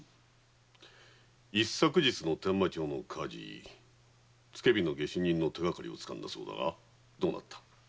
一昨日の伝馬町の火事付け火の下手人の手がかりをつかんだそうだがどうなった？